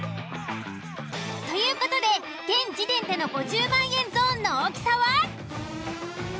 という事で現時点での５０万円ゾーンの大きさは？